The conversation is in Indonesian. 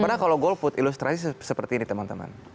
padahal kalau golput ilustrasi seperti ini teman teman